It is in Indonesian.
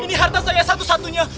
ini harta saya satu satunya